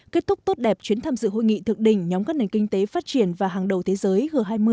kết thúc tốt đẹp chuyến tham dự hội nghị thực định nhóm các nền kinh tế phát triển và hàng đầu thế giới h hai mươi